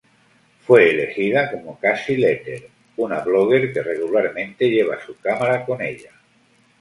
Fue elegida como Casey Letter, una blogger que regularmente lleva su cámara con ella.